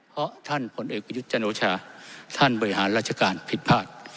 เพราะท่านผลเอกประยุทธ์จันโอชาท่านบริหารราชการผิดพลาด